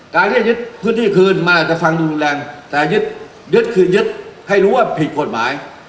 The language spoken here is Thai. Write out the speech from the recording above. การที่จะยึดพื้นที่คืนมันอาจจะฟังดูรุนแรงแต่ยึดยึดคืนยึดให้รู้ว่าผิดกฎหมาย